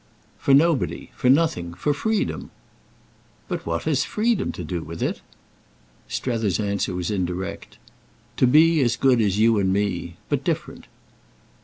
"For nobody. For nothing. For freedom." "But what has freedom to do with it?" Strether's answer was indirect. "To be as good as you and me. But different."